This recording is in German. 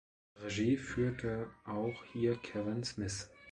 Regie führte auch hier Kevin Smith.